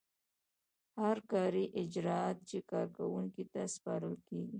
هر کاري اجراات چې کارکوونکي ته سپارل کیږي.